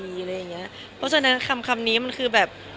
เพราะฉะนั้นคำนี้มันคือแบบ